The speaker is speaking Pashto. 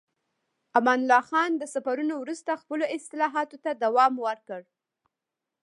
امان الله خان د سفرونو وروسته خپلو اصلاحاتو ته دوام ورکړ.